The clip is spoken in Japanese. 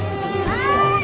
はい！